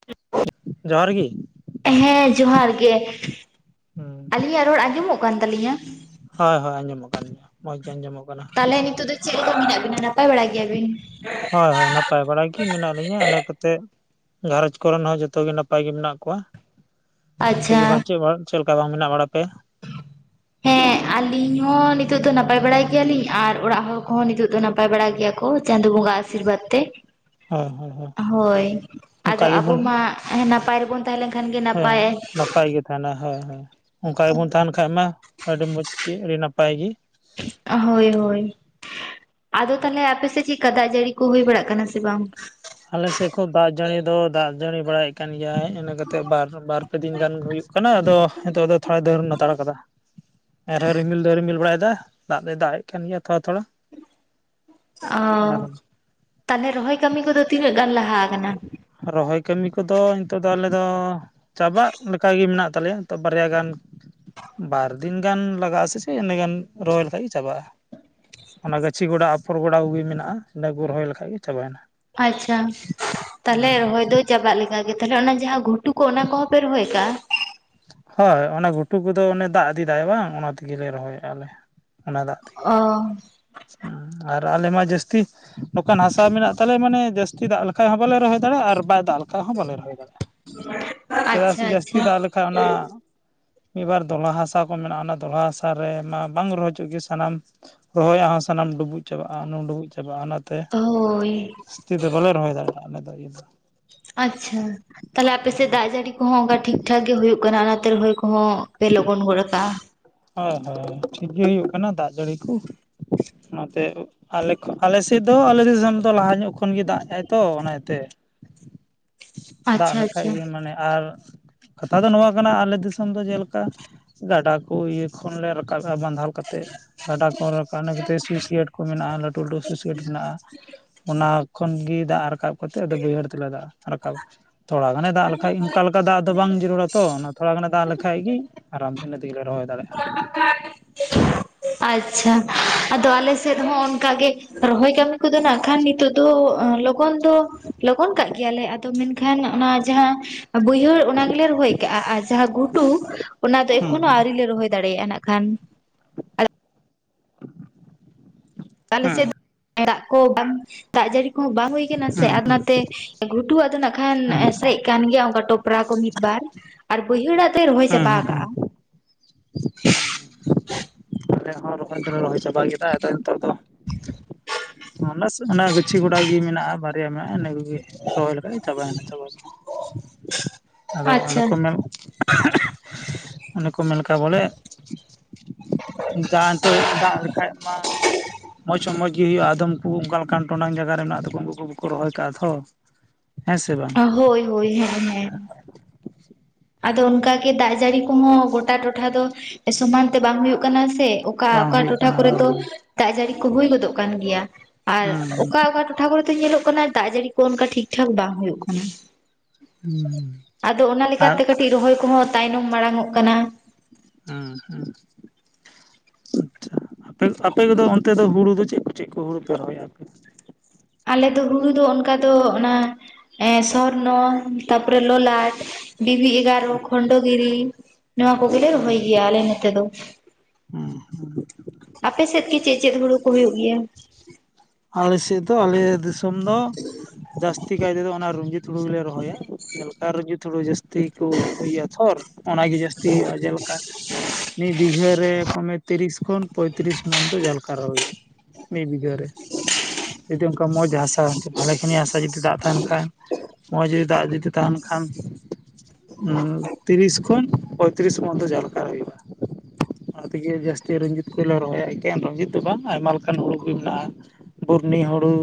[unintelligible] ᱡᱚᱦᱟᱨ ᱜᱤ᱾ ᱦᱮᱸ ᱡᱚᱦᱟᱨ ᱜᱮ᱾ ᱦᱩᱸ ᱟᱹᱞᱤᱧᱟᱜ ᱨᱚᱲ ᱟᱸᱡᱚᱢᱚᱜ ᱠᱟᱱ ᱛᱟᱹᱞᱤᱧᱟ? ᱦᱳᱭ ᱦᱳᱭ ᱟᱸᱡᱚᱢᱚᱜ ᱠᱟᱱ ᱜᱤᱭᱟ ᱢᱚᱸᱡᱽ ᱜᱮ ᱟᱸᱡᱚᱢᱚᱜ ᱠᱟᱱᱟ᱾ ᱛᱟᱦᱚᱞᱮ ᱱᱤᱛᱚᱜ ᱫᱚ ᱪᱮᱜ ᱞᱮᱠᱟ ᱢᱮᱱᱟᱜ ᱵᱤᱱᱟ ᱱᱟᱯᱟᱭ ᱵᱟᱲᱟ ᱜᱮᱭᱟᱵᱤᱱ? ᱦᱳᱭ ᱦᱳᱭ ᱱᱟᱯᱟᱭ ᱵᱟᱲᱟ ᱜᱮ ᱢᱮᱱᱟᱜ ᱞᱤᱧᱟᱹ᱾ ᱤᱱᱟᱹ ᱠᱟᱛᱮ ᱜᱷᱟᱨᱚᱡᱽ ᱠᱚᱨᱮᱱ ᱦᱚᱸ ᱡᱚᱛᱚ ᱜᱮ ᱱᱟᱯᱟᱭ ᱜᱮ ᱢᱮᱱᱟᱜ ᱠᱚᱣᱟ᱾ ᱟᱯᱮ ᱟᱪᱪᱷᱟ ᱜᱮ ᱵᱟᱝ ᱪᱮᱜ ᱵᱟᱝ ᱪᱮᱜ ᱞᱮᱠᱟ ᱵᱟᱝ ᱢᱮᱱᱟᱜ ᱵᱟᱲᱟ ᱯᱮ? ᱦᱮᱸ ᱟᱹᱞᱤᱧ ᱦᱚᱸ ᱱᱤᱛᱚᱜ ᱫᱚ ᱱᱟᱯᱟᱭ ᱵᱟᱲᱟ ᱜᱮᱭᱟᱞᱤᱧ ᱟᱨ ᱚᱲᱟᱜ ᱦᱚᱲ ᱠᱚᱦᱚᱸ ᱱᱤᱛᱚᱜ ᱫᱚ ᱱᱟᱯᱟᱭ ᱵᱟᱲᱟᱭ ᱜᱮᱭᱟᱠᱚ᱾ ᱪᱟᱸᱫᱳ ᱵᱟᱸᱜᱟ ᱟᱥᱤᱨᱵᱟᱫᱽ ᱛᱮ ᱦᱳᱭ ᱦᱳᱭ ᱦᱳᱭ ᱚᱱᱠᱟ ᱟᱫᱚ ᱟᱵᱚ ᱜᱮᱵᱚᱱ ᱢᱟ ᱱᱟᱯᱟᱭ ᱨᱮᱵᱚᱱ ᱛᱟᱦᱮᱸ ᱞᱮᱱ ᱠᱷᱟᱱ ᱜᱮ ᱦᱮᱸ ᱱᱟᱯᱟᱭ ᱱᱟᱯᱟᱭ ᱜᱮ ᱛᱟᱦᱮᱱᱟ ᱦᱮᱸ᱾ ᱚᱱᱠᱟ ᱜᱮᱵᱚᱱ ᱛᱟᱦᱮᱱ ᱠᱷᱟᱡ ᱢᱟ ᱟᱹᱰᱤ ᱢᱚᱸᱡᱽ ᱜᱩ ᱟᱹᱰᱤ ᱱᱟᱯᱟᱭ ᱜᱤ᱾ ᱦᱳᱭ ᱦᱳᱭ᱾ ᱟᱫᱚ ᱛᱟᱦᱚᱞᱮ ᱟᱯᱮ ᱥᱮᱜ ᱪᱮᱜᱠᱟ ᱫᱟᱜ ᱡᱟᱹᱲᱤ ᱠᱚ ᱦᱩᱭ ᱵᱟᱲᱟᱜ ᱠᱟᱱᱟ ᱥᱮ ᱵᱟᱝ? ᱟᱞᱮᱥᱮᱜ ᱠᱚ ᱫᱟᱜ ᱡᱟᱹᱲᱤ ᱫᱚ ᱫᱟᱜ ᱡᱟᱲᱤ ᱵᱟᱲᱟᱭ ᱠᱟᱱ ᱜᱮᱭᱟᱭ᱾ ᱤᱱᱟᱹ ᱠᱟᱛᱮᱜ ᱵᱟᱨ ᱵᱟᱨ ᱯᱮ ᱫᱤᱱ ᱜᱟᱱ ᱦᱩᱭ ᱠᱟᱱᱟ ᱟᱫᱚ ᱱᱤᱛᱚᱜ ᱫᱚ ᱛᱷᱚᱲᱟ ᱫᱟᱹᱨᱚᱱ ᱦᱟᱛᱟᱲ ᱠᱟᱫᱟ᱾ ᱮᱱ ᱨᱮᱦᱚᱸ ᱨᱤᱢᱤᱞ ᱫᱟᱭ ᱨᱤᱢᱤᱞ ᱵᱟᱲᱟ ᱭᱮᱫᱟ᱾ ᱫᱟᱜ ᱫᱚᱭ ᱫᱟᱜ ᱮᱜ ᱠᱟᱱ ᱜᱮᱭᱟ ᱛᱷᱚᱲᱟ ᱛᱷᱚᱲᱟ᱾ ᱚ ᱟᱨ ᱛᱟᱦᱚᱞᱮ ᱨᱚᱦᱚᱭ ᱠᱟᱹᱢᱤ ᱠᱚᱫᱚ ᱛᱤᱱᱟᱹᱜ ᱜᱟᱱ ᱞᱟᱦᱟ ᱠᱟᱱᱟ? ᱨᱚᱦᱚᱭ ᱠᱟᱹᱢᱤ ᱠᱚᱫᱚ ᱱᱤᱛᱚᱜ ᱫᱚ ᱟᱞᱮ ᱫᱚ ᱪᱟᱵᱟᱜ ᱠᱮᱠᱟ ᱜᱤ ᱢᱮᱱᱟᱜ ᱛᱟᱞᱮᱭᱟ᱾ ᱱᱤᱛᱚᱜ ᱵᱟᱨᱭᱟ ᱜᱟᱱ ᱵᱟᱨᱫᱤᱱ ᱜᱟᱱ ᱞᱟᱜᱟᱜ-ᱟ ᱥᱮ ᱪᱮᱜ ᱤᱱᱟᱹ ᱜᱟᱱ ᱨᱚᱦᱚᱭ ᱞᱮᱠᱷᱟᱱ ᱜᱮ ᱪᱟᱵᱟᱜ-ᱟ᱾ ᱚᱱᱟ ᱜᱟᱹᱪᱷᱤ ᱜᱚᱰᱟ ᱟᱯᱷᱚᱨ ᱜᱚᱰᱟ ᱠᱩᱜᱤ ᱢᱮᱱᱟᱜ-ᱟ, ᱤᱱᱟᱹ ᱠᱩ ᱨᱚᱦᱚᱭ ᱞᱮᱠᱷᱟᱱ ᱜᱮ ᱪᱟᱵᱟᱭᱮᱱᱟ᱾ ᱟᱪᱪᱷᱟ ᱛᱟᱦᱚᱞᱮ ᱦᱩᱸ ᱨᱚᱦᱚᱭ ᱫᱚ ᱪᱟᱵᱟᱜ ᱞᱮᱠᱟᱜᱮ᱾ ᱛᱟᱦᱚᱞᱮ ᱚᱱᱟ ᱡᱟᱦᱟᱸ ᱜᱷᱩᱴ ᱴᱩ ᱠᱚ ᱚᱱᱟ ᱠᱚᱦᱚᱸ ᱯᱮ ᱨᱚᱦᱚᱭ ᱠᱟᱜ-ᱟ? ᱦᱳᱭ ᱚᱱᱟ ᱜᱷᱩᱴᱩ ᱠᱚᱫᱚ ᱚᱱᱮ ᱫᱟᱜ ᱤᱫᱤᱫᱟᱭ ᱵᱟᱝ ᱚᱱᱟ ᱛᱤᱜᱤ ᱞᱮ ᱨᱚᱦᱚᱭ ᱮᱜᱟ ᱞᱮ᱾ ᱚᱱᱟ ᱫᱟᱜ ᱛᱮ ᱚ ᱦᱩᱸ ᱟᱨ ᱟᱞᱮ ᱢᱟ ᱡᱟᱹᱥᱛᱤ ᱱᱚᱝᱠᱟᱱ ᱦᱟᱥᱟ ᱢᱮᱱᱟᱜ ᱛᱟᱞᱮ ᱢᱟᱱᱮ ᱡᱟᱹᱥᱛᱤ ᱫᱟᱜ ᱞᱮᱠᱷᱟᱡ ᱦᱚᱸ ᱵᱟᱞᱮ ᱨᱚᱦᱚᱭ ᱫᱟᱲᱮᱭᱟᱜᱼᱟ ᱟᱨ ᱵᱟᱭ ᱫᱟᱜ ᱞᱮᱠᱷᱟᱡ ᱦᱚᱸ ᱵᱟᱞᱮ ᱨᱚᱦᱚᱭ ᱫᱟᱲᱮᱭᱟᱜᱼᱟ᱾ ᱪᱮᱫᱟᱜ ᱟᱪᱪᱷᱟ ᱥᱮ ᱡᱟᱹᱥᱛᱤ ᱟᱪᱪᱷᱟ ᱫᱟᱜ ᱞᱮᱠᱷᱟᱡ ᱚᱱᱟ ᱢᱤᱫᱵᱟᱨ ᱫᱚ ᱞᱟᱦᱟ ᱦᱟᱥᱟ ᱠᱚ ᱢᱮᱱᱟᱜ-ᱟ, ᱚᱱᱟ ᱫᱚᱞᱦᱟ ᱦᱟᱥᱟ ᱨᱮ ᱢᱟ ᱵᱟᱝ ᱨᱚᱦᱚᱭ ᱦᱚᱪᱚᱜ ᱜᱮ ᱥᱟᱱᱟᱢ ᱨᱚᱦᱚᱭᱟᱜ ᱦᱚᱸ ᱥᱟᱱᱟᱢ ᱰᱩᱵᱩᱡ ᱪᱟᱵᱟᱜᱼᱟ᱾ ᱦᱩᱢ ᱰᱩᱵᱩᱡ ᱪᱟᱵᱟᱜᱼᱟ᱾ ᱚᱱᱟᱛᱮ ᱦᱳᱭ ᱛᱤ ᱫᱚ ᱵᱟᱞᱮ ᱨᱚᱦᱚᱭ ᱫᱟᱲᱮᱭᱟᱜᱼᱟ ᱟᱞᱮ ᱫᱚ ᱤᱭᱟᱹ ᱟᱪᱪᱷᱟ ᱛᱟᱦᱚᱞᱮ ᱟᱯᱮ ᱥᱮᱜ ᱫᱟᱜ ᱡᱟᱹᱲᱤ ᱠᱚᱦᱚᱸ ᱚᱱᱠᱟ ᱴᱷᱤᱠ ᱴᱷᱟᱠ ᱜᱮ ᱦᱩᱭᱩᱜ ᱠᱟᱱᱟ, ᱚᱱᱟᱛᱮ ᱨᱚᱦᱚᱭ ᱠᱚᱦᱚᱸ ᱯᱮ ᱞᱚᱜᱚᱱ ᱜᱚᱫ ᱠᱟᱜᱼᱟ᱾ ᱦᱳᱭ ᱦᱳᱭ ᱴᱷᱤᱠ ᱜᱮ ᱦᱩᱭᱩᱜ ᱠᱟᱱᱟ ᱫᱟᱜ ᱡᱟᱹᱲᱤ ᱠᱚ᱾ ᱚᱱᱟ ᱛᱮ ᱟᱞᱮ ᱟᱞᱮᱥᱮᱫ ᱫᱚ ᱟᱞᱮ ᱫᱤᱥᱚᱢ ᱫᱚ ᱞᱟᱦᱟ ᱧᱚᱜ ᱠᱷᱚᱱ ᱜᱮ ᱫᱟᱜ ᱮᱫᱟᱭ ᱛᱚ᱾ ᱚᱱᱟᱛᱮ ᱫᱟᱜ ᱟᱪᱪᱷᱟ ᱞᱮᱠᱷᱟᱡ ᱟᱪᱪᱷᱟ ᱜᱮ ᱢᱟᱱᱮ ᱟᱨ ᱠᱟᱛᱷᱟ ᱫᱚ ᱱᱚᱣᱟ ᱠᱟᱱᱟ ᱟᱞᱮ ᱫᱤᱥᱚᱢ ᱫᱚ ᱡᱮᱞᱮᱠᱟ ᱜᱟᱰᱟ ᱠᱚ ᱤᱭᱟᱹ ᱠᱷᱚᱱ ᱞᱮ ᱨᱚ ᱠᱟᱥᱟ ᱵᱟᱸᱫᱷᱟᱣ ᱠᱟᱛᱮᱜ, ᱜᱟᱰᱟ ᱠᱚ ᱨᱟᱠᱟᱵ ᱚᱱᱟ ᱠᱷᱟᱹᱛᱤᱨ ᱥᱩᱭᱥᱟᱭᱤᱰ ᱠᱚ ᱢᱮᱱᱟᱜᱼᱟ᱾ ᱞᱟᱹᱴᱩ ᱞᱟᱹᱴᱩ ᱥᱩᱭᱥᱟᱭᱤᱰ ᱢᱮᱱᱟᱜᱼᱟ᱾ ᱚᱱᱟ ᱛᱚᱠᱷᱚᱱ ᱜᱮ ᱫᱟᱜ ᱨᱟᱠᱟᱵ ᱠᱟᱛᱮ, ᱟᱫᱚ ᱵᱟᱹᱭᱦᱟᱹᱲ ᱛᱮᱞᱮ ᱫᱟᱜ ᱨᱟᱠᱟᱵᱟ᱾ ᱛᱷᱚᱲᱟ ᱜᱟᱱᱮ ᱫᱟᱜ ᱞᱮᱠᱷᱟᱡ ᱚᱱᱠᱟ ᱞᱮᱠᱟ ᱫᱟᱜ ᱫᱚ ᱵᱟᱝ ᱡᱟᱹᱨᱩᱲᱟ ᱛᱚ᱾ ᱚᱱᱟ ᱛᱷᱚᱲᱟ ᱜᱟᱱᱮ ᱫᱟᱜ ᱞᱮᱠᱷᱟᱡ ᱜᱮ ᱟᱨᱟᱢ ᱤᱱᱟᱹ ᱛᱮᱜᱮᱞᱮ ᱨᱚᱦᱚᱭ ᱫᱟᱲᱮᱭᱟᱜᱼᱟ᱾ ᱟᱪᱪᱷᱟ, ᱟᱫᱚ ᱟᱞᱮ ᱥᱮᱫ ᱦᱚᱸ ᱚᱱᱠᱟ ᱜᱮ ᱨᱚᱦᱚᱭ ᱠᱟ. ᱢᱤ ᱠᱚᱫᱚ ᱱᱟᱜ ᱠᱷᱟᱱ ᱱᱤᱛᱚᱜ ᱫᱚ ᱞᱚ ᱞᱚᱜᱚᱱ ᱫᱚ ᱞᱚᱜᱚᱱ ᱠᱟᱜ ᱜᱮᱭᱟᱞᱮ, ᱢᱮᱱᱠᱷᱟᱱ ᱚᱱᱟ ᱡᱟᱦᱟᱸ ᱵᱟᱹᱭᱦᱟᱹᱲ ᱚᱱᱟ ᱜᱮᱞᱮ ᱨᱚᱦᱚᱭ, ᱠᱟᱜᱼᱟ ᱟᱨ ᱡᱟᱦᱟᱸ ᱜᱷᱩᱴᱩ ᱚᱱᱟ ᱫᱚ ᱦᱩᱸ ᱮᱠᱷᱚᱱᱳ ᱟᱹᱣᱨᱤ ᱞᱮ ᱨᱚᱦᱚᱭ ᱫᱟᱲᱮᱭᱟᱜᱼᱟ, ᱱᱟᱜ ᱠᱷᱟᱱ ᱟᱞᱮ ᱦᱩᱸ ᱥᱮᱫ ᱫᱚ ᱫᱟᱜ ᱠᱚ ᱵᱟᱝ, ᱫᱟᱜ ᱡᱟᱹᱲᱤ ᱠᱚᱦᱚᱸ ᱵᱟᱝ ᱦᱩᱭ ᱠᱟᱱᱟ ᱥᱮ ᱦᱩᱸ ᱦᱩᱸ ᱟᱨ ᱚᱱᱟᱛᱮ ᱜᱷᱩᱴᱩ ᱟᱫᱚ ᱱᱟᱜ ᱠᱷᱟᱱ ᱦᱩᱸ ᱥᱮᱡ ᱠᱟᱱ ᱜᱮᱭᱟ, ᱚᱱᱠᱟ ᱴᱚᱯᱨᱟ ᱠᱚ ᱢᱤᱫ ᱵᱟᱨ ᱟᱨ ᱵᱟᱹᱭᱦᱟᱹᱲᱟᱜ ᱛᱮ ᱨᱚᱦᱚᱭ ᱦᱩᱸ ᱪᱟᱵᱟ ᱦᱩᱸ ᱦᱩᱸ ᱟᱠᱟᱜᱼᱟ᱾ ᱟᱞᱮ ᱦᱚᱸ ᱨᱚᱦᱚᱭ ᱫᱚᱞᱮ ᱨᱚᱦᱚᱭ ᱪᱟᱵᱟ ᱠᱮᱫᱟ ᱟᱫᱚ ᱱᱤᱛᱚᱜ ᱫᱚ ᱚᱱᱮᱥ ᱚᱱᱟ ᱜᱩᱪᱷᱤ ᱜᱚᱰᱟ ᱜᱮ ᱢᱮᱱᱟᱜᱼᱟ᱾ ᱵᱟᱨᱭᱟ ᱢᱮᱱᱟᱜᱼᱟ, ᱤᱱᱟᱹ ᱠᱚᱜᱮ ᱨᱚᱦᱚᱭ ᱞᱮᱠᱷᱟᱡ ᱪᱟᱵᱟᱭᱮᱱᱟ ᱪᱟᱵᱟ ᱫᱚ, ᱟᱫᱚ ᱚᱱᱮ ᱟᱪᱪᱷᱟ ᱠᱚ ᱢᱮᱱ ᱚᱱᱮ ᱠᱚ ᱢᱮᱱ ᱠᱟᱜ ᱵᱚᱞᱮ ᱡᱟᱦᱟᱸ ᱱᱤᱛᱚᱜ ᱫᱟᱜ ᱞᱮᱠᱷᱟᱡ ᱢᱟ ᱢᱚᱸᱡᱽ ᱦᱚᱸ ᱢᱚᱸᱡᱽ ᱜᱮ ᱦᱩᱭᱩᱜᱼᱟ᱾ ᱟᱫᱚᱢ ᱠᱩ ᱚᱱᱠᱟ ᱞᱮᱠᱟᱱ ᱴᱚᱱᱟᱝ ᱡᱟᱭᱜᱟ ᱨᱮ ᱢᱮᱱᱟᱜ ᱛᱟᱠᱚᱣᱟ, ᱩᱱᱠᱩ ᱵᱟᱠᱚ ᱨᱚᱦᱚᱭ ᱟᱠᱟᱜᱼᱟ ᱛᱷᱚ ᱦᱮᱸ ᱥᱮ ᱵᱟᱸ ᱦᱳᱭ ᱦᱳᱭ ᱦᱮᱸ ᱦᱮᱸ᱾ ᱟᱫᱚ ᱚᱱᱠᱟ ᱜᱮ ᱫᱟᱜ ᱡᱟᱹᱲᱤ ᱠᱚᱦᱚᱸ ᱜᱚᱴᱟ ᱴᱚᱴᱷᱟ ᱫᱚ ᱥᱚᱢᱟᱱ ᱛᱮ ᱵᱟᱝ ᱦᱩᱭᱩᱜ ᱠᱟᱱᱟ ᱥᱮ? ᱚᱠᱟ ᱵᱟᱝ ᱚᱠᱟ ᱦᱩᱭᱩᱜ ᱴᱚᱴᱷᱟ ᱠᱟᱱᱟ ᱠᱚᱨᱮ ᱦᱳᱭ ᱫᱚ ᱦᱳᱭ ᱫᱟᱜ ᱡᱟᱹᱲᱤ ᱠᱚ ᱦᱩᱭ ᱜᱚᱫᱚᱜ ᱠᱟᱱ ᱜᱮᱭᱟ ᱟᱨ ᱦᱩᱸ ᱚᱠᱟ ᱚᱠᱟ ᱴᱚ ᱴᱷᱟ ᱠᱚᱨᱮ ᱫᱚ ᱧᱮᱞᱚᱜ ᱠᱟᱱᱟ ᱫᱟᱜ ᱡᱟᱹᱲᱤ ᱠᱚ ᱚᱱᱠᱟ ᱴᱷᱤᱠ ᱴᱷᱟᱠ ᱵᱟᱝ ᱦᱩᱭᱩᱜ ᱠᱟᱱᱟ᱾ ᱦᱩᱸ ᱦᱩᱸ ᱟᱫᱚ ᱚᱱᱟ ᱟᱨ ᱞᱮᱠᱟᱛᱮ ᱠᱟᱹᱴᱤᱡ ᱨᱚᱦᱚᱭ ᱠᱚᱦᱚᱸ ᱛᱟᱭᱱᱚᱢ ᱢᱟᱲᱟᱝ ᱚᱜ ᱠᱟᱱᱟ᱾ ᱦᱟᱸ ᱦᱟᱸᱜ᱾ ᱟᱪᱪᱷᱟ, ᱟᱯᱮ ᱟᱯᱮ ᱠᱚᱫᱚ ᱚᱱᱛᱮ ᱫᱚ ᱦᱩᱲᱩ ᱫᱚ ᱪᱮᱫ ᱠᱚ ᱪᱮᱫ ᱠᱚ ᱦᱩᱲᱩ ᱯᱮ ᱨᱚᱦᱚᱭᱟ ᱟᱯᱮ? ᱟᱞᱮ ᱫᱚ ᱦᱩᱲᱩ ᱫᱚ ᱚᱱᱠᱟ ᱫᱚ ᱚᱱᱟ ᱮᱸ ᱥᱚᱨᱱᱚ ᱛᱟᱯᱚᱨᱮ ᱞᱚᱞᱟᱴ, ᱵᱤᱵᱤ ᱮᱜᱟᱨᱚ, ᱦᱩᱸ ᱠᱷᱚᱱᱰᱚ ᱜᱤᱨᱤ ᱱᱚᱣᱟ ᱠᱚᱜᱮᱞᱮ ᱨᱚᱦᱚᱭ ᱜᱮᱭᱟ, ᱟᱞᱮ ᱱᱚᱛᱮ ᱫᱚ᱾ ᱦᱩᱸ ᱦᱩᱸ᱾ ᱟᱯᱮ ᱥᱮᱫ ᱜᱮ ᱪᱮᱫ ᱪᱮᱫ ᱦᱩᱲᱩ ᱠᱚ ᱦᱩᱭᱩᱜ ᱜᱮᱛᱟ? ᱟᱞᱮ ᱥᱮᱫ ᱫᱚ ᱟᱞᱮ ᱫᱤᱥᱚᱢ ᱫᱚ ᱡᱟᱹᱥ ᱛᱤ ᱠᱟᱭ ᱛᱮᱫᱚ ᱚᱱᱟ ᱨᱩᱡᱤᱛ ᱦᱩᱲᱩ ᱜᱮᱞᱮ ᱨᱚᱦᱚᱭᱟ᱾ ᱡᱮᱞᱮᱠᱟ ᱨᱩᱡᱤᱛ ᱦᱩᱲᱩ ᱡᱟᱹᱥᱛᱤ ᱠᱚ ᱦᱩᱭᱩᱜᱼᱟ, ᱛᱷᱚᱨ ᱚᱱᱟ ᱜᱮ ᱡᱟᱹᱥᱛᱤ ᱦᱩᱭᱩᱜᱼᱟ, ᱡᱮᱞᱮᱠᱟ ᱢᱤᱫ ᱵᱤᱜᱷᱟᱹᱨ ᱨᱮ ᱠᱚᱢᱮ ᱛᱤᱨᱤᱥ ᱠᱷᱚᱱ ᱯᱚᱭᱛᱨᱤᱥ ᱢᱚᱱᱫᱚ ᱡᱟᱦᱟ ᱞᱮᱠᱟᱨᱮ ᱦᱩᱭᱩᱜᱼᱟ, ᱢᱤᱫ ᱵᱤᱜᱷᱟᱹᱨ ᱨᱮ ᱡᱩᱫᱤ ᱚᱱᱠᱟ ᱢᱚᱡᱽ ᱦᱟᱥᱟ ᱵᱷᱟᱞᱮ ᱠᱷᱟᱱᱤ ᱦᱟᱥᱟ ᱡᱩᱫᱤ ᱫᱟᱜ ᱛᱟᱦᱮᱱ ᱠᱷᱟᱱ ᱱᱚᱣᱟ ᱡᱩᱫᱤ ᱫᱟᱜ ᱡᱩᱫᱤ ᱛᱟᱦᱮᱱ ᱠᱷᱟᱱ ᱛᱤᱨᱤᱥ ᱠᱷᱚᱱ ᱯᱚᱸᱭᱛᱨᱤᱥ ᱢᱚᱫᱫᱷᱮ ᱡᱟᱦᱟᱸ ᱞᱮᱠᱟ ᱦᱩᱭᱩᱜᱼᱟ᱾ ᱚᱱᱟ ᱛᱮᱜᱮ ᱡᱟᱹᱥᱛᱤ ᱨᱚᱡᱤᱛ ᱠᱚᱞᱮ ᱨᱚᱦᱚᱭᱟ ᱮᱠᱮᱱ ᱨᱚᱡᱤᱛ ᱫᱚ ᱵᱟᱝ ᱟᱭᱢᱟ ᱞᱮᱠᱟᱱ ᱦᱩᱲᱩ ᱜᱮ ᱢᱮᱱᱟᱜᱼᱟ᱾ ᱵᱩᱨᱱᱤ ᱦᱩᱲᱩ,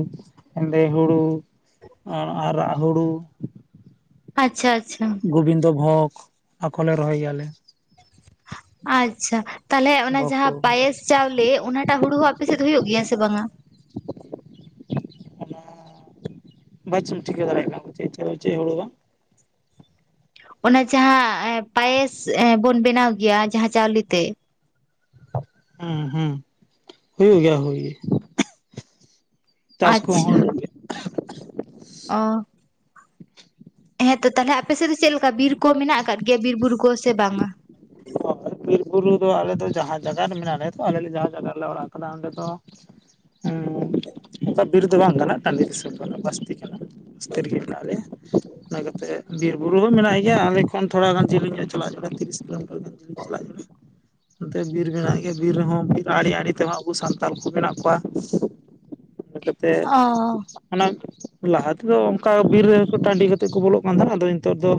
ᱦᱮᱸᱫᱮ ᱦᱩᱲᱩ, ᱟᱨᱟᱜ ᱦᱩᱲᱩ, ᱟᱪᱪᱷᱟ ᱟᱪᱪᱷᱟ᱾ ᱜᱳᱵᱤᱱᱫᱚ ᱵᱷᱳᱜᱽ ᱚᱱᱟ ᱠᱚᱞᱮ ᱨᱚᱦᱚᱭ ᱜᱮᱭᱟ ᱟᱞᱮ, ᱟᱪᱪᱷᱟ᱾ ᱛᱟᱞᱦᱮ ᱚᱱᱟ ᱵᱷᱳᱜᱽ ᱡᱟᱦᱟᱸ ᱦᱩᱲᱩ ᱯᱟᱭᱮᱥ ᱪᱟᱣᱞᱮ ᱚᱱᱟᱴᱟᱜ ᱦᱩᱲᱩ ᱦᱚᱸ ᱟᱯᱮ ᱥᱮᱫ ᱦᱩᱭᱩᱜ ᱜᱮᱭᱟ ᱥᱮ ᱵᱟᱝᱟ? [inaudible] ᱵᱟᱪᱚᱧ ᱴᱷᱤᱠᱟᱹ ᱫᱟᱲᱮᱭᱟᱜ ᱠᱟᱱ ᱪᱮᱫ ᱪᱮᱫ ᱦᱩᱲᱩ ᱪᱮᱫ ᱦᱩᱲᱩ ᱫᱚ? ᱚᱱᱮ ᱡᱟᱦᱟᱸ ᱮᱸ ᱯᱟᱭᱮᱥ ᱵᱚᱱ ᱵᱮᱱᱟᱣ ᱜᱮᱭᱟ ᱡᱟᱦᱟᱸ ᱪᱟᱣᱞᱮ ᱛᱮ᱾ ᱦᱩᱸ ᱦᱩᱸ ᱦᱩᱭᱩᱜ ᱜᱮᱭᱟ ᱦᱩᱭ ᱜᱮ᱾ ᱪᱟᱥ ᱠᱚᱦᱚᱸ ᱟᱪᱪᱷᱟ᱾ ᱦᱩᱭᱩᱜ ᱜᱮᱭᱟ ᱚ᱾ ᱦᱮᱸ ᱛᱚ ᱛᱟᱦᱞᱮ ᱟᱯᱮ ᱥᱮᱫ ᱫᱚ ᱪᱮᱫ ᱞᱮᱠᱟ ᱵᱤᱨ ᱠᱚ ᱢᱮᱱᱟᱜ ᱟᱠᱟᱫ ᱜᱮᱭᱟ ᱵᱤᱨ ᱵᱩᱨᱩ ᱠᱚ ᱥᱮ ᱵᱟᱝᱟ? ᱵᱤᱨᱵᱩᱨᱩ ᱫᱚ ᱟᱞᱮ ᱫᱚ ᱡᱟᱦᱟᱸ ᱡᱟᱭᱜᱟ ᱨᱮ ᱢᱮᱱᱟᱜ ᱞᱮᱭᱟ ᱛᱚ ᱟᱞᱮ ᱡᱟᱦᱟᱸ ᱡᱟᱭᱜᱟ ᱨᱮᱞᱮ ᱚᱲᱟᱜ ᱠᱟᱱᱟ ᱚᱸᱰᱮ ᱫᱚ ᱦᱩᱸ᱾ [inaudible] ᱵᱤᱨ ᱫᱚ ᱵᱟᱝ ᱠᱟᱱᱟ᱾ ᱴᱟᱺᱰᱤ ᱫᱤᱥᱚᱢ ᱠᱟᱱᱟ, ᱵᱟᱹᱥᱛᱤ ᱠᱟᱱᱟ᱾ ᱵᱟᱹᱥᱛᱤ ᱨᱮᱜᱮ ᱦᱮᱱᱟᱜ ᱞᱮᱭᱟ᱾ ᱚᱱᱟ ᱠᱟᱛᱮᱫ ᱵᱤᱨ ᱵᱩᱨᱩ ᱦᱚᱸ ᱢᱮᱱᱟᱜ ᱜᱮᱭᱟ᱾ ᱟᱞᱮ ᱠᱷᱚᱱ ᱛᱷᱚᱲᱟ ᱜᱟᱱ ᱡᱤᱞᱤᱧ ᱧᱚᱜ ᱪᱟᱞᱟᱜ ᱦᱤᱡᱩᱜᱼᱟ ᱛᱤᱨᱤᱥ ᱠᱤᱞᱳᱢᱤᱴᱟᱨ ᱜᱟᱱ ᱪᱟᱞᱟᱜ ᱦᱩᱭᱩᱜᱼᱟ᱾ ᱚᱱᱛᱮ ᱵᱤᱨ ᱢᱮᱱᱟᱭ ᱜᱮᱭᱟ᱾ ᱵᱤᱨ ᱨᱮᱦᱚᱸ ᱵᱤᱨ ᱟᱲᱮ ᱟᱲᱮ ᱛᱮᱦᱚᱸ ᱟᱵᱚ ᱥᱟᱱᱛᱟᱞ ᱠᱚ ᱢᱮᱱᱟᱜ ᱠᱚᱣᱟ᱾ ᱠᱟ ᱠᱟᱛᱮᱫ ᱚ ᱚᱱᱟ ᱞᱟᱦᱟ ᱛᱮᱫᱚ ᱚᱱᱠᱟ ᱵᱤᱨ ᱨᱮᱦᱚ ᱠᱚ ᱴᱟᱺᱰᱤ ᱠᱟᱛᱮᱫ ᱠᱚ ᱵᱚᱞᱚᱜ ᱠᱟᱱ ᱛᱟᱦᱮᱜ᱾ ᱟᱫᱚ ᱱᱤᱛᱚᱜ ᱫᱚ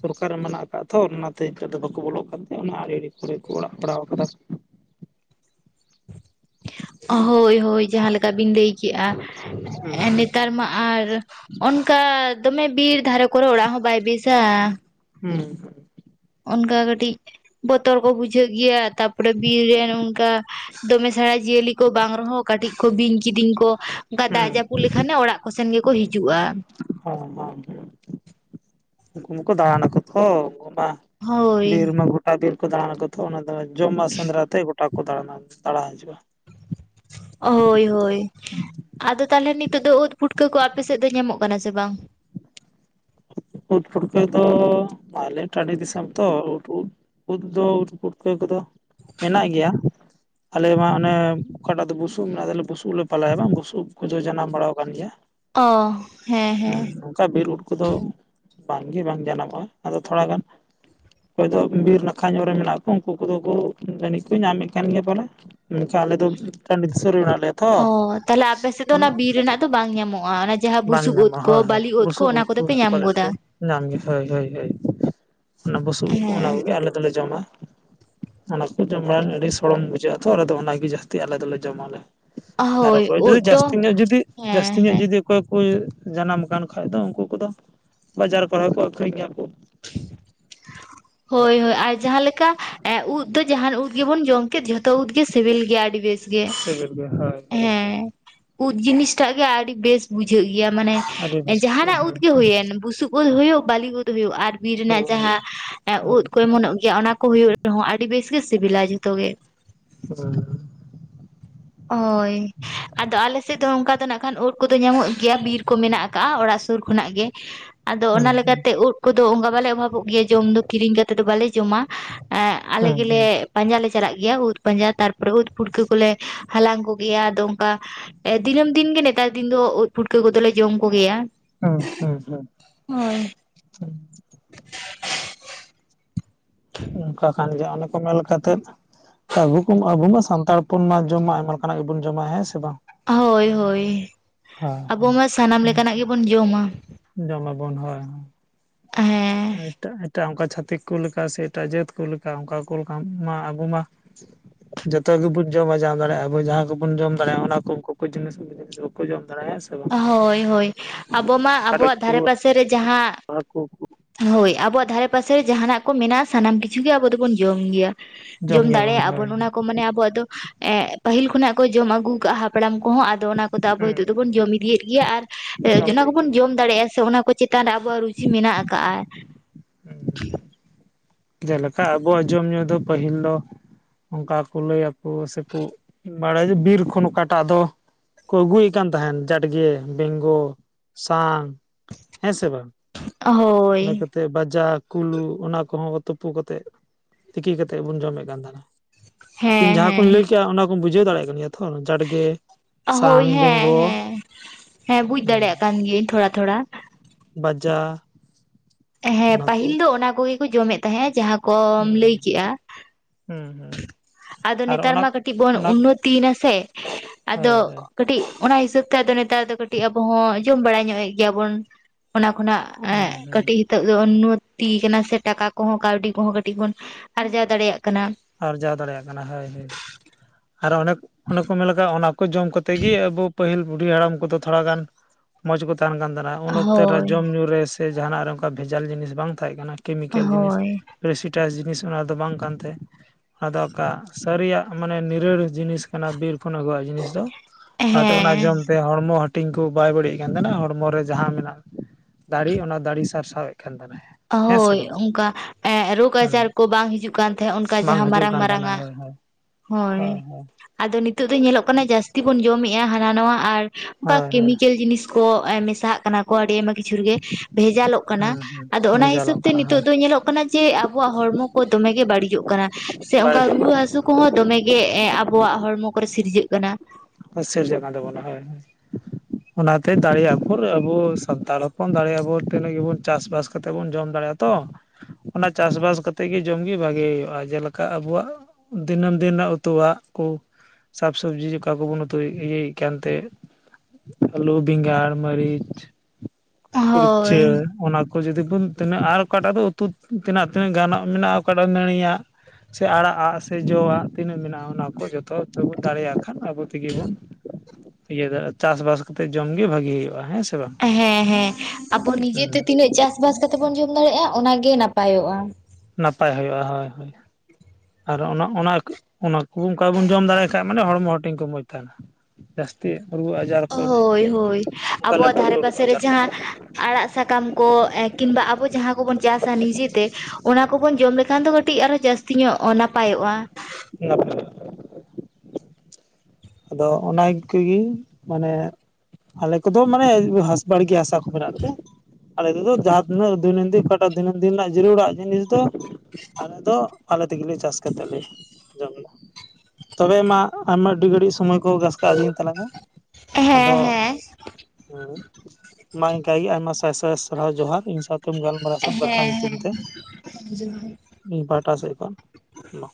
ᱥᱚᱨᱠᱟᱨ ᱮ ᱢᱟᱱᱟ ᱟᱠᱟᱜᱼᱟ ᱛᱷᱚ ᱚᱱ ᱚᱱᱟᱛᱮ ᱦᱤᱛᱟᱹᱜ ᱫᱚ ᱵᱟᱠᱚ ᱵᱚᱞᱚᱜ ᱠᱟᱱᱟᱛᱮ ᱚᱱᱟ ᱟᱲᱮ ᱟᱲᱮ ᱠᱚᱨᱮ ᱠᱚ ᱚᱲᱟᱜ ᱵᱟᱲᱟᱣ ᱠᱟᱫᱟ᱾ ᱦᱳᱭ ᱦᱳᱭ ᱡᱟᱦᱟᱸᱞᱮᱠᱟ ᱵᱤᱱ ᱞᱟᱹᱭ ᱠᱮᱫᱮᱜᱼᱟ ᱦᱩᱸ ᱱᱮᱛᱟᱨ ᱢᱟ ᱟᱨ ᱚᱱᱠᱟ ᱫᱚᱢᱮ ᱵᱤᱨ ᱫᱷᱟᱨᱮ ᱠᱚᱨᱮ ᱚᱲᱟᱜ ᱦᱚᱸ ᱵᱟᱭ ᱵᱮᱥᱟ᱾ ᱦᱩᱸ᱾ ᱚᱱᱠᱟ ᱠᱟᱹᱴᱤᱡ ᱵᱚᱛᱚᱨ ᱠᱚ ᱵᱩᱡᱷᱟᱹᱜ ᱜᱮᱭᱟ ᱛᱟᱯᱚᱨᱮ ᱵᱤᱨ ᱨᱮ ᱱᱚᱝᱠᱟ ᱫᱚᱢᱮ ᱥᱮᱬᱟ ᱡᱤᱭᱟᱹᱞᱤ ᱠᱚ ᱵᱟᱝ ᱨᱮᱦᱚᱸ ᱠᱟᱹᱴᱤᱡ ᱠᱚ ᱵᱤᱧ ᱠᱤᱫᱤᱧ ᱠᱚ᱾ ᱚᱱᱠᱟ ᱦᱩᱸ ᱫᱟᱜ ᱦᱩᱸ ᱡᱟᱹᱯᱩᱫ ᱞᱮᱠᱷᱟᱱᱮ ᱚᱲᱟᱜ ᱠᱚ ᱥᱮᱱ ᱜᱮᱠᱚ ᱦᱤᱡᱩᱜᱼᱟ᱾ ᱦᱚᱸ ᱦᱚᱸ᱾ ᱩᱱᱠᱩ ᱢᱟᱠᱚ ᱫᱟᱬᱟᱱ ᱟᱠᱚ ᱛᱷᱚ᱾ ᱩᱱᱠᱩ ᱢᱟ ᱦᱳᱭ [unintelligible] ᱜᱚᱴᱟ ᱵᱤᱨ ᱠᱚ ᱫᱟᱬᱟᱱ ᱟᱠᱚ ᱛᱚ ᱚᱱᱟ ᱫᱚ ᱡᱚᱢᱟᱜ ᱥᱮᱸᱫᱽᱨᱟ ᱛᱮ ᱜᱚᱴᱟ ᱠᱚ ᱫᱟᱬᱟᱱᱟ ᱫᱟᱬᱟ ᱦᱤᱡᱩᱜᱼᱟ᱾ ᱦᱳᱭ ᱦᱳᱭ ᱟᱫᱚ ᱛᱟᱦᱞᱮ ᱱᱤᱛᱚᱜ ᱫᱚ ᱩᱫᱽ ᱯᱷᱩᱴᱠᱟᱹ ᱠᱚ ᱟᱯᱮ ᱥᱮᱫ ᱫᱚ ᱧᱟᱢᱚᱜ ᱠᱟᱱᱟ ᱥᱮ ᱵᱟᱝ? ᱩᱫᱽ ᱯᱩᱴᱠᱟᱹ ᱫᱚ ᱟᱞᱮ ᱴᱟᱺᱰᱤ ᱫᱤᱥᱚᱢ ᱛᱚ ᱩᱫᱽ ᱩᱫ ᱫᱚ ᱩᱫ ᱯᱩᱴᱠᱟᱹ ᱠᱚᱫᱚ ᱢᱮᱱᱟᱜ ᱜᱮᱭᱟ᱾ ᱟᱞᱮ ᱢᱟ ᱚᱱᱮ ᱚᱠᱟᱴᱟᱜ ᱫᱚ ᱵᱩᱥᱩᱵ ᱢᱮᱱᱟᱜ-ᱟ ᱟᱫᱚᱞᱮ ᱵᱩᱥᱩᱵ ᱞᱮ ᱯᱟᱞᱚᱭᱟ ᱵᱟᱝ᱾ ᱵᱩᱥᱩᱵ ᱩᱫᱽ ᱠᱚᱫᱚ ᱡᱟᱱᱟᱢ ᱵᱟᱲᱟ ᱟᱠᱟᱱ ᱜᱮᱭᱟ ᱚ ᱦᱮᱸ ᱦᱮᱸ᱾ ᱦᱩᱸ ᱚᱱᱠᱟ ᱵᱤᱨ ᱩᱫᱽ ᱠᱚᱫᱚ ᱵᱟᱝᱜᱮ ᱵᱟᱝ ᱡᱟᱱᱟᱢᱚᱜᱼᱟ᱾ ᱟᱫᱚ ᱛᱷᱚᱲᱟᱜᱟᱱ ᱚᱠᱚᱭ ᱫᱚ ᱵᱤᱨ ᱱᱟᱠᱷᱟ ᱧᱚᱜ ᱨᱮ ᱢᱮᱱᱟᱜ ᱠᱚᱣᱟ, ᱩᱱᱠᱩ ᱠᱚᱫᱚ ᱠᱚ ᱡᱟᱹᱱᱤᱡ ᱠᱚ ᱧᱟᱢᱮᱫ ᱠᱟᱱ ᱜᱮᱭᱟ ᱯᱟᱞᱮᱱ᱾ ᱢᱮᱱᱠᱷᱟᱱ ᱟᱞᱮ ᱫᱚ ᱴᱟᱸᱰᱤ ᱫᱤᱥᱚᱢ ᱨᱮ ᱢᱮᱱᱟᱜ ᱞᱮᱭᱟ᱾ ᱛᱚ ᱚ ᱛᱟᱦᱞᱮ ᱟᱯᱮᱥᱮᱫ ᱫᱚ ᱚᱱᱟ ᱵᱤᱨ ᱨᱮᱱᱟᱜ ᱫᱚ ᱵᱟᱝ ᱧᱟᱢᱚᱜ᱾ ᱵᱟᱝ ᱧᱟᱢᱚᱜᱼᱟ ᱦᱳᱭ ᱦᱳᱭ᱾ ᱵᱩᱥᱩᱵ ᱚᱱᱟ ᱩᱫᱽ ᱠᱚᱫᱚ ᱯᱮ ᱧᱟᱢ ᱜᱚᱫᱟ ᱠᱚ ᱧᱟᱢ ᱜᱮ ᱦᱳᱭ ᱦᱳᱭ ᱦᱳᱭ᱾ ᱚᱱᱟ ᱵᱩᱥᱩᱵ ᱩᱫᱽ ᱚᱱᱟ ᱦᱮᱸ ᱠᱚᱜᱮ ᱟᱞᱮ ᱫᱚᱞᱮ ᱡᱚᱢᱟ᱾ ᱚᱱᱟ ᱠᱚ ᱡᱚᱢ ᱵᱟᱲᱟ ᱟᱹᱰᱤ ᱥᱚᱲᱚᱢ ᱵᱩᱡᱷᱟᱹᱜᱼᱟ ᱛᱷᱚ ᱟᱞᱮ ᱫᱚ ᱚᱱᱟᱜᱮ ᱡᱟᱹᱥᱛᱤ ᱟᱞᱮ ᱫᱚᱞᱮ ᱡᱚᱢᱟ ᱟᱞᱮ᱾ ᱟᱨ ᱦᱳᱭ ᱚᱠᱚᱭ ᱫᱚ ᱩᱫ ᱡᱟᱹᱥᱛᱤ ᱧᱚᱜ ᱡᱩᱫᱤ ᱡᱟᱹᱥᱛᱤ ᱦᱮᱸ ᱧᱚᱜ ᱦᱮᱸ ᱡᱩᱫᱤ ᱚᱠᱚᱭ ᱠᱩᱭ ᱡᱟᱱᱟᱢ ᱟᱠᱟᱱ ᱠᱷᱟᱡ ᱫᱚ ᱩᱱᱠᱩ ᱠᱚᱫᱚ ᱵᱟᱡᱟᱨ ᱠᱚᱨᱮ ᱦᱚᱸᱠᱚ ᱟᱠᱷᱨᱤᱧ ᱜᱮᱭᱟ ᱠᱚ᱾ [inaudible] ᱦᱳᱭ ᱦᱳᱭ ᱟᱨ ᱡᱟᱦᱟᱸ ᱞᱮᱠᱟ ᱮᱸ ᱩᱫᱽ ᱫᱚ ᱡᱟᱦᱟᱸᱱ ᱩᱫᱽ ᱜᱮᱵᱚᱱ ᱡᱚᱢ ᱠᱮᱫ ᱡᱷᱚᱛᱚ ᱩᱫᱽ ᱜᱮ ᱥᱮᱵᱮᱞ ᱜᱮᱭᱟ ᱟᱹᱰᱤ ᱵᱮᱥ᱾ ᱜᱮ᱾ ᱥᱤᱵᱤᱞ ᱜᱮ ᱦᱳᱭ ᱦᱳᱭ ᱦᱮᱸ᱾ ᱩᱫᱽ ᱡᱤᱱᱤᱥ ᱴᱟᱜ ᱜᱮ ᱟᱹᱰᱤ ᱵᱮᱥ ᱵᱩᱡᱷᱟᱹᱜ ᱜᱮᱭᱟ ᱢᱟᱱᱮ ᱟᱹᱰᱤ ᱵᱮᱥ ᱦᱮᱸ ᱡᱟᱦᱟᱱᱟᱜ ᱩᱫᱽ ᱦᱮᱸ ᱦᱮᱸ ᱦᱮᱸ ᱜᱮ ᱦᱮᱸ ᱦᱩᱭᱮᱱ᱾ ᱵᱩᱥᱩᱵ ᱩᱫᱽ ᱦᱩᱭᱩᱜ ᱵᱟᱞᱤ ᱩᱫᱽ ᱦᱩᱭᱩᱜ ᱟᱨ ᱵᱤᱨ ᱨᱮᱱᱟᱜ ᱡᱟᱦᱟᱸ ᱮ ᱩᱫᱽ ᱠᱚ ᱚᱢᱚᱱᱚᱜ ᱜᱮᱭᱟ ᱚᱱᱟ ᱠᱚ ᱦᱩᱭᱩᱜ ᱨᱮᱦᱚᱸ ᱟᱹᱰᱤ ᱵᱮᱥ ᱜᱮ ᱥᱤᱵᱤᱞᱟ ᱡᱷᱚᱛᱚ ᱜᱮ᱾ ᱦᱩᱸ ᱦᱩᱸ ᱦᱳᱭ, ᱟᱫᱚ ᱟᱞᱮᱥᱮᱜ ᱫᱚ ᱚᱝᱠᱟ ᱫᱚ ᱱᱟᱜ ᱠᱷᱟᱱ ᱩᱫ ᱠᱚᱫᱚ ᱧᱟᱢᱚᱜ ᱜᱮᱭᱟ ᱵᱤᱨ ᱠᱚ ᱢᱮᱱᱟᱜᱼᱟ ᱠᱟᱜ-ᱟ ᱚᱲᱟᱜ ᱥᱩᱨ ᱠᱷᱚᱱᱟᱜ ᱜᱮ ᱟᱫᱚ ᱚᱱᱟ ᱞᱮᱠᱟᱛᱮ ᱩᱫ ᱠᱚᱫᱚ ᱚᱝᱠᱟ ᱵᱟᱞᱮ ᱚᱵᱷᱟᱵ ᱚᱜ ᱜᱮᱭᱟ ᱡᱚᱢ ᱫᱚ ᱠᱤᱨᱤᱧ ᱠᱟᱛᱮ ᱫᱚ ᱵᱟᱞᱮ ᱡᱚᱢᱟ ᱮᱸ ᱟᱞᱮ ᱜᱮᱞᱮ ᱯᱟᱸᱡᱟ ᱞᱮ ᱪᱟᱞᱟᱜ ᱜᱮᱭᱟ ᱩᱫ ᱯᱟᱸᱡᱟ ᱛᱟᱨᱯᱚᱨᱮ ᱩᱫ ᱯᱷᱩᱴᱠᱟᱹ ᱠᱚᱞᱮ ᱦᱟᱞᱟᱝ ᱠᱚᱜᱮᱭᱟ ᱟᱫᱚ ᱚᱝᱠᱟ ᱮ ᱫᱤᱱᱟᱹᱢ ᱫᱤᱱ ᱜᱮ ᱱᱮᱛᱟᱨ ᱫᱤᱱ ᱫᱚ ᱩᱫ ᱯᱷᱩᱴᱠᱟᱹ ᱠᱚᱫᱚᱞᱮ ᱡᱚᱢ ᱠᱚᱜᱮᱭᱟ᱾ ᱦᱩᱸ ᱦᱩᱸ ᱦᱩᱸ ᱦᱳᱭ ᱡᱩᱸ, ᱚᱝᱠᱟ ᱠᱟᱱ ᱜᱮᱭᱟ ᱚᱱᱮ ᱠᱚ ᱢᱮᱞ ᱞᱮᱠᱟᱛᱮᱫ ᱟᱵᱚ ᱠᱚ ᱟᱵᱚ ᱢᱟ ᱥᱟᱱᱛᱟᱲ ᱦᱚᱯᱚᱱ ᱢᱟ ᱡᱚᱢ ᱢᱟ ᱟᱭᱢᱟ ᱞᱮᱠᱟᱱᱟᱜ ᱜᱮᱵᱚᱱ ᱡᱚᱢᱟ, ᱦᱮᱸ ᱥᱮ ᱵᱟᱝ? ᱦᱳᱭ ᱦᱳᱭ ᱦᱳᱭ ᱟᱵᱚ ᱢᱟ ᱥᱟᱱᱟᱢ ᱞᱮᱠᱟᱱᱟᱜ ᱜᱮᱵᱚᱱ ᱡᱚᱢᱟ᱾ ᱡᱚᱢ ᱢᱟᱵᱚᱱ ᱦᱳᱭ ᱦᱳᱭ᱾ ᱦᱮᱸ, ᱮᱴᱟᱜ ᱮᱴᱟᱜ ᱚᱝᱠᱟ ᱪᱷᱟᱹᱛᱤᱠ ᱠᱚ ᱞᱮᱠᱟ ᱥᱮ ᱮᱴᱟᱜ ᱡᱟᱹᱛ ᱠᱚ ᱞᱮᱠᱟ ᱚᱝᱠᱟ ᱠᱚ ᱞᱮᱠᱟ ᱢᱟ ᱟᱵᱚ ᱢᱟ ᱡᱚᱛᱚ ᱜᱮᱵᱚᱱ ᱡᱚᱢ ᱦᱟᱡᱟᱢ ᱫᱟᱲᱮᱭᱟᱜ-ᱟ ᱟᱵᱚ ᱡᱟᱦᱟᱸ ᱠᱚᱵᱚᱱ ᱡᱚᱢ ᱫᱟᱲᱮᱭᱟᱜ-ᱟ ᱚᱱᱟ ᱠᱚ ᱩᱱᱠᱚ ᱡᱤᱱᱤᱥ ᱡᱤᱱᱤᱥ ᱵᱟᱠᱚ ᱡᱚᱢ ᱫᱟᱲᱮᱭᱟᱜ-ᱟ ᱦᱮᱸᱥᱮ ᱦᱳᱭ ᱦᱳᱭ, ᱟᱵᱚ ᱢᱟ ᱠᱟᱴᱚᱡ ᱟᱵᱚᱣᱟᱜ ᱠᱚ ᱫᱷᱟᱨᱮ ᱯᱟᱥᱮ ᱨᱮ ᱡᱟᱦᱟᱸ ᱦᱟᱹᱠᱩ ᱠᱚ, ᱦᱳᱭ ᱟᱵᱚᱣᱟᱜ ᱫᱷᱟᱨᱮ ᱯᱟᱥᱮ ᱨᱮ ᱡᱟᱦᱟᱸᱱᱟᱜ ᱠᱚ ᱢᱮᱱᱟᱜ-ᱟ ᱥᱟᱱᱟᱢ ᱠᱤᱪᱷᱩ ᱜᱮ ᱟᱵᱚ ᱫᱚᱵᱚᱱ ᱡᱚᱢ ᱜᱮᱭᱟ᱾ ᱡᱚᱢ ᱜᱮᱭᱟᱵᱚᱱ ᱫᱟᱲᱮᱭᱟᱜ-ᱟ ᱦᱳᱭ ᱵᱚᱱ ᱚᱱᱟ ᱠᱚ ᱢᱟᱱᱮ ᱟᱵᱚᱣᱟᱜ ᱫᱚ ᱮᱸ ᱯᱟᱹᱦᱤᱞ ᱠᱷᱚᱱᱟᱜ ᱠᱚ ᱡᱚᱢ ᱟᱹᱜᱩ ᱠᱟᱜ-ᱟ ᱦᱟᱯᱲᱟᱢ ᱠᱚᱦᱚᱸ ᱟᱫᱚ ᱚᱱᱟ ᱠᱚᱫᱚ ᱟᱵᱚ ᱦᱩᱸ ᱱᱤᱛᱚᱜ ᱫᱚᱵᱚᱱ ᱡᱚᱢ ᱤᱫᱤᱭᱮᱫ ᱜᱮᱭᱟ ᱟᱨ ᱡᱚᱢ ᱚᱱᱟ ᱜᱮ ᱠᱟᱱ ᱠᱚᱵᱚᱱ ᱡᱚᱢ ᱜᱮᱭᱟᱵᱚᱱ ᱫᱟᱲᱮᱭᱟᱜ-ᱟ ᱥᱮ ᱚᱱᱟ ᱠᱚ ᱪᱮ ᱛᱟᱱ ᱨᱮ ᱟᱵᱚᱣᱟᱜ ᱨᱩᱪᱤ ᱢᱮᱱᱟᱜ ᱟᱠᱟᱜ-ᱟ᱾ ᱦᱩᱸ ᱦᱩᱸ, ᱡᱮᱞᱮᱠᱟ ᱟᱵᱚᱣᱟᱜ ᱡᱚᱢ ᱧᱩ ᱫᱚ ᱯᱟᱹᱦᱤᱞ ᱫᱚ ᱚᱝᱠᱟ ᱠᱚ ᱞᱟᱹᱭ ᱟᱠᱚ ᱥᱮᱠᱚ ᱵᱟᱲᱟᱭᱟ ᱵᱤᱨ ᱠᱷᱚᱱ ᱚᱠᱟᱴᱟᱜ ᱫᱚ ᱠᱚ ᱟᱹᱜᱩᱭᱮᱜ ᱠᱟᱱ ᱛᱟᱦᱮᱸᱱ ᱡᱟᱰᱜᱮ ᱵᱮᱝᱜᱚᱞ ᱥᱟᱝ ᱦᱮᱸ ᱥᱮ ᱵᱟᱝ ᱦᱳᱭ᱾ ᱛᱮ ᱵᱟᱡᱟ ᱠᱩᱞᱩ ᱚᱱᱟ ᱠᱚᱦᱚᱸ ᱛᱩᱯᱩ ᱠᱟᱛᱮᱜ ᱛᱤᱠᱤ ᱠᱟᱛᱮᱜ ᱵᱚᱱ ᱡᱚᱢᱮᱜ ᱠᱟᱱ ᱛᱟᱦᱮᱸᱱᱟ᱾ ᱤᱧ ᱦᱮᱸ ᱡᱟᱦᱟᱸ ᱦᱮᱸ ᱠᱩᱧ ᱞᱟᱹᱭ ᱠᱮᱜ-ᱟ ᱚᱱᱟ ᱠᱚᱢ ᱵᱩᱡᱷᱟᱹᱣ ᱫᱟᱲᱮᱭᱟᱜ ᱠᱟᱱ ᱜᱮᱭᱟ ᱛᱷᱚᱨ ᱡᱟᱰᱜᱮ ᱚ ᱦᱳᱭ ᱥᱟᱝ ᱦᱮᱸ ᱵᱮᱝᱜᱚ ᱦᱮᱸ ᱦᱮᱸ ᱵᱩᱡᱽ ᱫᱟᱲᱮᱭᱟᱜ ᱦᱩᱸ ᱠᱟᱱ ᱜᱤᱭᱟᱹᱧ ᱛᱷᱚᱲᱟ ᱛᱷᱚᱲᱟ᱾ ᱵᱟᱡᱟ ᱦᱮᱸ ᱚᱱᱟ ᱯᱟᱹᱦᱤᱞ ᱠᱚ ᱫᱚ ᱚᱱᱟ ᱠᱚᱜᱮ ᱠᱚ ᱡᱚᱢᱮᱜ ᱛᱟᱦᱮᱸᱜ-ᱟ ᱡᱟᱦᱟᱸ ᱠᱚᱢ ᱞᱟᱹᱭ ᱦᱩᱸ ᱠᱮᱜ-ᱟ᱾ ᱦᱩᱸ ᱦᱩᱸ ᱟᱫᱚ ᱟᱨ ᱱᱮᱛᱟᱨ ᱚᱱᱟ ᱢᱟ ᱠᱟᱹᱴᱤᱜ ᱵᱚᱱ ᱚᱱᱟ ᱩᱱᱱᱚᱛᱤᱭᱮᱱᱟ ᱥᱮ ᱟᱫᱚ ᱦᱳᱭ ᱦᱳᱭ ᱠᱟᱹᱴᱤᱜ ᱚᱱᱟ ᱦᱤᱥᱟᱹᱵ ᱛᱮ ᱟᱫᱚ ᱱᱮᱛᱟᱨ ᱫᱚ ᱠᱟᱹᱴᱤᱜ ᱟᱵᱚ ᱦᱚᱸ ᱡᱚᱢ ᱵᱟᱲᱟ ᱧᱚᱜᱼᱮᱜ ᱜᱮᱭᱟ ᱵᱚᱱ ᱚᱱᱟ ᱠᱷᱚᱱᱟᱜ ᱦᱩᱸ ᱮᱸᱜ ᱦᱩᱸ ᱠᱟᱹᱴᱤᱡ ᱦᱤᱛᱚᱜ ᱫᱚ ᱩᱱᱱᱚᱛᱤ ᱠᱟᱱᱟ ᱥᱮ ᱴᱟᱠᱟ ᱠᱚᱦᱚᱸ ᱠᱟᱹᱣᱰᱤ ᱠᱚᱦᱚᱸ ᱠᱟᱹᱴᱤᱜ ᱵᱚᱱ ᱟᱨᱡᱟᱣ ᱫᱟᱲᱮᱭᱟᱜ ᱠᱟᱱᱟ᱾ ᱟᱨᱡᱟᱣ ᱫᱟᱲᱮᱭᱟᱜ ᱠᱟᱱᱟ ᱦᱟᱸᱭ ᱦᱟᱸᱭ ᱟᱨᱚ ᱚᱱᱮ ᱠᱚ ᱚᱱᱮ ᱠᱚ ᱢᱮᱱ ᱞᱮᱠᱟ ᱚᱱᱟ ᱠᱚ ᱡᱚᱢ ᱠᱟᱛᱮᱜ ᱜᱮ ᱟᱵᱚ ᱯᱟᱹᱦᱤᱞ ᱵᱩᱰᱷᱤ ᱦᱟᱲᱟᱢ ᱠᱚᱫᱚ ᱛᱷᱚᱲᱟ ᱜᱟᱱ ᱢᱚᱸᱡᱽ ᱠᱚ ᱛᱟᱦᱮᱸᱱ ᱠᱟᱱ ᱛᱟᱦᱮᱸᱱᱟ᱾ ᱩᱱ ᱚᱠᱛᱮ ᱨᱮ ᱦᱳᱭ ᱡᱚᱢ ᱧᱩ ᱨᱮ ᱥᱮ ᱡᱟᱦᱟᱸᱱᱟᱜ ᱨᱮ ᱚᱝᱠᱟ ᱵᱷᱮᱡᱟᱞ ᱡᱤᱱᱤᱥ ᱵᱟᱝ ᱛᱟᱦᱮᱸ ᱠᱟᱱᱟ ᱠᱮᱢᱤᱠᱮᱞ ᱡᱤᱱᱤᱥ ᱦᱳᱭ ᱯᱨᱮᱥᱤᱴᱟᱭ ᱡᱤᱱᱤᱥ ᱚᱱᱟ ᱫᱚ ᱵᱟᱝ ᱠᱟᱱᱛᱮ ᱟᱫᱚ ᱚᱠᱟ ᱥᱟᱹᱨᱤᱭᱟᱜ ᱢᱟᱱᱮ ᱱᱤᱨᱟᱹᱲ ᱡᱤᱱᱤᱥ ᱠᱟᱱᱟ ᱵᱤᱨ ᱠᱷᱚᱱᱟ ᱟᱹᱜᱩᱣᱟᱜ ᱡᱤᱱᱤᱥ ᱫᱚ, ᱟᱫᱚ ᱚᱱᱟᱛᱮ ᱚᱱᱟ ᱦᱮᱸ ᱡᱚᱢ ᱛᱮ ᱦᱚᱲᱢᱚ ᱦᱟᱹ ᱴᱤᱝ ᱠᱚ ᱵᱟᱭ ᱵᱟᱹᱲᱤᱜ ᱠᱟᱱ ᱛᱟᱦᱮᱸᱱᱟ ᱦᱚᱲᱢᱚ ᱨᱮ ᱡᱟᱦᱟᱸ ᱢᱮᱱᱟᱜ ᱫᱟᱲᱮ ᱚᱱᱟ ᱫᱟᱲᱮ ᱥᱟᱨᱥᱟᱣᱮᱜ ᱠᱟᱱ ᱛᱟᱦᱮᱸᱱᱟᱭ᱾ ᱦᱳᱭ ᱚᱝᱠᱟ ᱮᱸᱜ ᱨᱳᱜᱽ ᱟᱡᱟᱨ ᱦᱩᱸ ᱠᱚ ᱵᱟᱝ ᱦᱤᱡᱩᱜ ᱠᱟᱱ ᱛᱟᱦᱮᱸᱜ ᱚᱝᱠᱟ ᱵᱟᱝ ᱡᱟᱦᱟᱸ ᱦᱤᱡᱩᱜ ᱢᱟᱨᱟᱝ ᱠᱟᱱ ᱛᱟᱦᱮᱱᱟ ᱢᱟᱨᱟᱝᱟᱜ ᱦᱳᱭ ᱦᱳᱭ ᱦᱳᱭ ᱟᱫᱚ ᱱᱤᱛᱳᱜ ᱫᱚ ᱧᱮᱞᱚᱜ ᱠᱟᱱᱟ ᱡᱟᱹᱥᱛᱤ ᱵᱚᱱ ᱡᱚᱢᱮᱜ-ᱟ ᱦᱟᱱᱟ ᱱᱟᱣᱟ ᱟᱨ ᱦᱳᱭ ᱚᱝᱠᱟ ᱦᱳᱭ ᱦᱳᱭ ᱠᱮᱢᱤᱠᱮᱞ ᱡᱤᱱᱤᱥ ᱠᱚ ᱢᱮᱥᱟᱜ ᱮᱸ ᱠᱟᱱᱟ ᱠᱚ ᱟᱹᱰᱤ ᱟᱭᱢᱟ ᱠᱤᱪᱷᱩ ᱨᱮᱜᱮ ᱵᱷᱮᱡᱟᱞᱚᱜ ᱠᱟᱱᱟ ᱦᱩᱸ ᱦᱩᱸ ᱟᱫᱚ ᱚᱱᱟ ᱦᱤᱥᱟᱹᱵᱽ ᱵᱷᱮᱡᱟᱞᱚᱜ ᱛᱮ ᱠᱟᱱᱟ ᱦᱳᱭ ᱱᱤᱛᱚᱜ ᱫᱚ ᱧᱮᱞᱚᱜ ᱠᱟᱱᱟ ᱡᱮ ᱟᱵᱚᱣᱟᱜ ᱦᱚᱲᱢᱚ ᱠᱚ ᱫᱚᱢᱮ ᱜᱮ ᱵᱟᱹᱲᱤᱡᱚᱜ ᱠᱟᱱᱟ ᱥᱮ ᱚᱱᱠᱟ ᱵᱟᱹᱲᱤᱡᱚᱜ ᱨᱩᱣᱟᱹ ᱦᱟᱹᱥᱩ᱾ ᱠᱚᱦᱚᱸ ᱫᱚᱢᱮᱜᱮ ᱮ ᱟᱵᱚᱣᱟᱜ ᱦᱚᱲᱢᱚ ᱠᱚᱨᱮ ᱥᱤᱨᱡᱟᱹᱜ ᱠᱟᱱᱟ᱾ ᱥᱤᱨᱡᱟᱹ ᱠᱟᱱ ᱛᱟᱵᱚᱱᱟ ᱦᱳᱭ ᱚᱱᱟᱛᱮ ᱫᱟᱲᱮ ᱟᱯᱷᱚᱨ ᱟᱵᱚ ᱥᱟᱱᱛᱟᱲ ᱦᱚᱯᱚᱱ ᱫᱟᱲᱮᱭᱟᱜ ᱛᱮ ᱵᱚᱱ ᱛᱤᱱᱟᱹᱜ ᱜᱮᱵᱚᱱ ᱪᱟᱥ ᱵᱟᱥ ᱠᱟᱛᱮ ᱵᱚᱱ ᱡᱚᱢ ᱫᱟᱲᱮᱭᱟᱜᱼᱟ ᱛᱚ᱾ ᱚᱱᱟ ᱪᱟᱥᱼᱵᱟᱥ ᱠᱟᱛᱮᱜ ᱜᱮ ᱡᱚᱢ ᱜᱮ ᱵᱷᱟᱜᱮ ᱦᱩᱭᱩᱜᱼᱟ ᱡᱮᱞᱮᱠᱟ ᱟᱵᱚᱣᱟᱜ ᱫᱤᱱᱟᱹᱢ ᱫᱤᱱ ᱨᱮᱱᱟᱜ ᱩᱛᱩᱣᱟᱜ ᱠᱩ ᱥᱟᱠ ᱥᱚᱵᱽᱡᱤ ᱟᱵᱚ ᱠᱚᱵᱚᱱ ᱩᱛᱩᱭ ᱤᱭᱟᱹᱭᱮᱫ ᱠᱟᱱ ᱛᱮ ᱟᱹᱞᱩ ᱵᱮᱸᱜᱟᱲ ᱢᱟᱹᱨᱤᱪ᱾ ᱠᱩᱲᱪᱟ ᱦᱳᱭ ᱚᱱᱟ ᱟᱠᱚ ᱡᱩᱫᱤ ᱵᱚᱱ ᱛᱤᱱᱟᱹᱜ ᱟᱨ ᱚᱠᱟᱴᱟᱜ ᱫᱚ ᱩᱛᱩ ᱛᱤᱱᱟᱹᱜ ᱛᱤᱱᱟᱹᱜ ᱜᱟᱱᱚᱜ ᱢᱮᱱᱟᱜᱼᱟ ᱚᱠᱟᱴᱟᱜ ᱱᱟᱹᱲᱤᱭᱟᱜ ᱥᱮ ᱟᱲᱟᱜᱼᱜ ᱥᱮ ᱡᱚ ᱣᱟᱜ ᱛᱤᱱᱟᱹᱜ ᱢᱮᱱᱟᱜᱼᱟ ᱚᱱᱟ ᱠᱚ ᱡᱚᱛᱚ ᱛᱚᱵᱚ ᱫᱟᱲᱮ ᱭᱟᱠ ᱟᱵᱚ ᱛᱮᱜᱮ ᱵᱚᱱ ᱤᱭᱟᱹ ᱫᱟᱲᱮᱭᱟᱜᱼᱟ ᱪᱟᱥᱵᱟᱥ ᱠᱟᱛᱮ ᱡᱚᱢᱜᱮ ᱵᱷᱟᱜᱤ ᱦᱩᱭᱩᱜᱼᱟ ᱦᱮᱸᱥᱮ᱾ ᱦᱮᱸ ᱦᱮᱸ ᱟᱵᱚ ᱱᱤᱡᱮᱛᱮ ᱛᱤᱱᱟᱹᱜ ᱪᱟᱥ ᱵᱟᱥ ᱠᱟᱛᱮ ᱵᱚᱱ ᱡᱚᱢ ᱫᱟᱲᱮᱜᱜᱼᱟ ᱚᱱᱟ ᱜᱮ ᱱᱟᱯᱟᱭᱚᱜᱼᱟ᱾ ᱱᱟᱯᱟᱭ ᱦᱩᱭᱩᱜᱼᱟ ᱦᱳᱭ ᱦᱳᱭ᱾ ᱟᱨ ᱚᱱᱟ ᱚᱱᱟ ᱚᱱᱟ ᱠᱚᱵ ᱚᱱᱠᱟ ᱵᱚᱱ ᱡᱚᱢ ᱫᱟᱲᱮᱭᱟᱜ ᱠᱷᱟᱡ ᱢᱟᱱᱮ ᱦᱚᱲᱢᱚ ᱴᱤᱠ ᱠᱚ ᱢᱚᱡᱽ ᱛᱟᱦᱮᱱᱟ᱾ ᱡᱟᱥᱛᱤ ᱨᱩᱣᱟᱹ ᱟᱡ ᱦᱳᱭ ᱦᱳᱭ ᱟᱵᱚᱣᱟᱜ ᱫᱷᱟᱨᱮ ᱞᱟᱹᱴᱩ ᱨᱩᱣᱟᱹ ᱯᱟᱥᱮᱨᱮ ᱟᱡᱟᱨ ᱠᱚ ᱡᱟᱦᱟᱸ ᱵᱟᱝ ᱦᱩᱭᱩᱜᱼᱟ ᱟᱲᱟᱜ ᱥᱟᱠᱟᱢ ᱠᱚ ᱠᱤᱱᱵᱟ ᱟᱵᱚ ᱡᱟᱦᱟᱸ ᱠᱚᱵᱚᱱ᱾ ᱪᱟᱥᱟ ᱱᱤᱡᱮᱛᱮ ᱚᱱᱟ ᱠᱚᱵᱚᱱ ᱡᱚᱢ ᱞᱮᱠᱷᱟᱱ ᱫᱚ ᱠᱟᱹᱴᱤᱡ ᱟᱨᱦᱚ ᱡᱟᱹᱥᱛᱤ ᱧᱚᱜ ᱱᱟᱯᱟᱭᱚᱜᱼᱟ᱾ ᱱᱟ [unintelligible] ᱟᱫᱚ ᱚᱱᱟ ᱠᱜᱮ ᱢᱟᱱᱮ ᱟᱞᱮ ᱠᱚᱫᱚ ᱢᱟᱱᱮ ᱦᱟᱥ ᱵᱟᱲᱜᱮ ᱦᱟᱥᱟ᱾ ᱢᱮᱱᱟᱜ ᱛᱮ ᱟᱞᱮ ᱛᱮᱫᱚ ᱡᱟᱦᱟᱸ ᱛᱤᱱᱟᱹᱜ ᱫᱤᱱᱟᱢ ᱫᱤᱱ ᱚᱠᱟᱴᱟᱜ ᱫᱤᱱᱟᱢ ᱫᱤᱱ ᱨᱮᱱᱟᱜ ᱡᱟᱹᱨᱩᱲᱟᱜ ᱡᱤᱱᱤᱥ ᱫᱚ᱾ ᱟᱞᱮ ᱫᱚ ᱟᱞᱮ ᱛᱮᱜᱮᱞᱮ ᱪᱟᱥ ᱠᱟᱛᱮ ᱞᱮ ᱡᱚᱢ ᱞᱮ᱾ ᱛᱚᱵᱮ ᱢᱟ ᱟᱭᱢᱟ ᱟᱹᱰᱤ ᱜᱷᱟᱹᱲᱤᱥ ᱥᱚᱢᱚᱭ ᱠᱚ ᱜᱟᱥᱠᱟᱜᱼᱟ ᱫᱤᱱ ᱛᱟᱞᱟ ᱛᱮ ᱟᱫᱚ ᱦᱮᱸ ᱦᱮᱸ ᱦᱸ ᱢᱟ ᱤᱱᱠᱠᱟ ᱜᱮ ᱟᱭᱢᱟ ᱥᱟᱭ ᱥᱟᱭ ᱥᱟᱨᱦᱟᱣ ᱡᱚᱦᱟᱨ ᱤᱧ ᱥᱟᱶᱛᱮᱢ ᱜᱟᱞ ᱦᱮᱸ ᱦᱮᱸ ᱡᱚᱦᱟᱨ ᱤᱧ ᱯᱟᱦᱴᱟ‌ ᱥᱮᱜ ᱠᱷᱚᱱ ᱢᱟ